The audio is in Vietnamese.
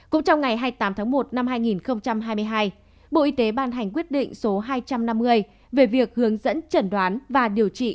cũng trong ngày hai mươi tám tháng một năm hai nghìn hai mươi hai bộ y tế ban hành quyết định số hai trăm năm mươi về việc hướng dẫn chẩn đoán và điều trị